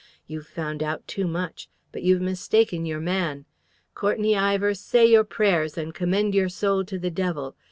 You've found out too much. But you've mistaken your man! Courtenay Ivor, say your prayers and commend your soul to the devil!